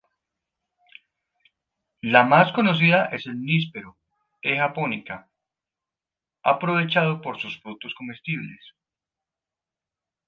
La más conocida es el níspero, "E. japonica", aprovechado por sus frutos comestibles.